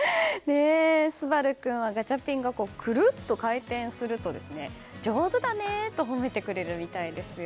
昴君はガチャピンがくるっと回転すると上手だね！と褒めてくれるみたいですよ。